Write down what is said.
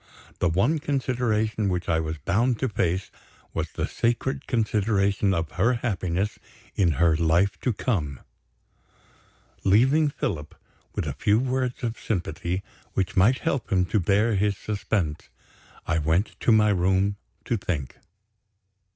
The one consideration which I was bound to face, was the sacred consideration of her happiness in her life to come. Leaving Philip, with a few words of sympathy which might help him to bear his suspense, I went to my room to think.